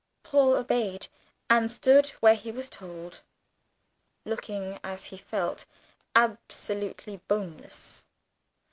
Paul obeyed and stood where he was told, looking, as he felt, absolutely boneless.